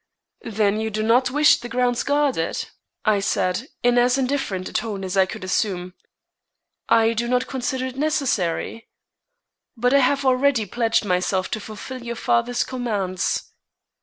"Then you do not wish the grounds guarded," I said, in as indifferent a tone as I could assume. "I do not consider it necessary." "But I have already pledged myself to fulfil your father's commands."